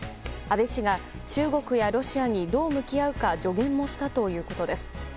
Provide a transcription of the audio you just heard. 安倍氏が中国やロシアにどう向き合うか助言もしたということです。